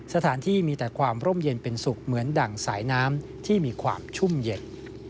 สถานที่มีแต่ความร่มเย็นเป็นสุขเหมือนดั่งสายน้ำที่มีความชุ่มเย็น